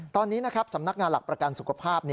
ตอนนี้นะครับสำนักงานหลักประกันสุขภาพ